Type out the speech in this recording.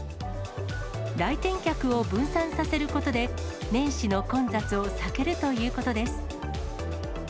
来店客を分散させることで、年始の混雑をさけるということです。